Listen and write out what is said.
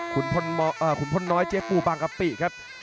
คุณพลน้อยเจ๊ปูบางกะปิครับ